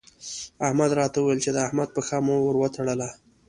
احمد راته وويل چې د احمد پښه مو ور وتړله.